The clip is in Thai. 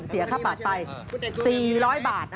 เสียค่าบัตรไป๔๐๐บาท